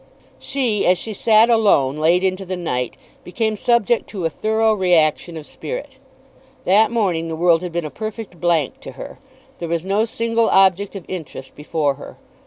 She, as she sat alone, late into the night, became subject to a thorough reaction of spirit. That morning the world had been a perfect blank to her. There was no single object of interest before her.